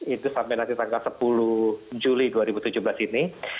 itu sampai nanti tanggal sepuluh juli dua ribu tujuh belas ini